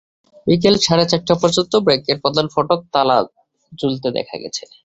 বিকেল সাড়ে চারটা পর্যন্ত ব্যাংকের প্রধান ফটকে তালা ঝুলতে দেখা গেছে।